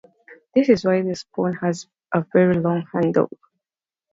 This is why the spoon has a very long handle.